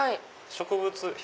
植物